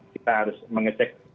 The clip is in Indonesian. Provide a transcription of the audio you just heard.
kita harus mengecek